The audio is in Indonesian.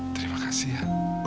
terima kasih ya